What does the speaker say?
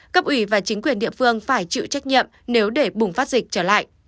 cấp ủy và chính quyền địa phương phải chịu trách nhiệm nếu để bùng phát dịch trở lại